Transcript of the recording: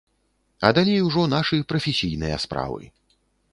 А далей ужо нашы прафесійныя справы.